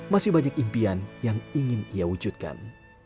masih banyak impian yang ingin ia wujudkan